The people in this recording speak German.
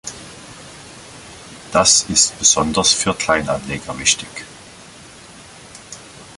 Das ist besonders für Kleinanleger wichtig.